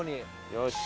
よし。